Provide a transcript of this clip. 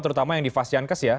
terutama yang di fashiankes ya